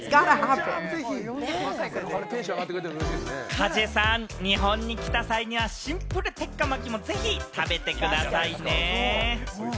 カジェさん、日本に来た際には、シンプル鉄火巻もぜひ食べてくださいね。